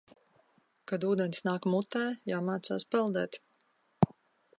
Kad ūdens nāk mutē, jāmācās peldēt.